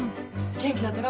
元気だったか？